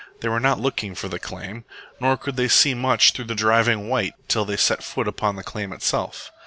They were not looking for the claim. Nor could they see much through the driving white till they set foot upon the claim itself.